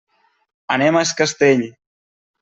Anem a es Castell.